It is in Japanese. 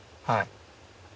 はい。